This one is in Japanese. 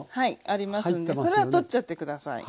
ありますんでこれは取っちゃって下さい。